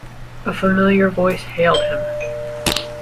A familiar voice hailed him.